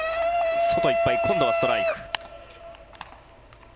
外いっぱい今度はストライク。